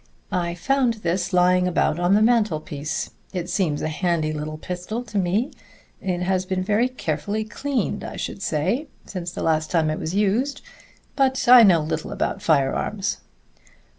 "I found this lying about on the mantel piece. It seems a handy little pistol to me, and it has been very carefully cleaned, I should say, since the last time it was used. But I know little about firearms."